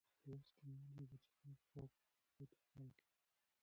لوستې میندې د څښاک پاکو اوبو ته پام کوي.